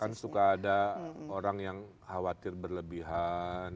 kan suka ada orang yang khawatir berlebihan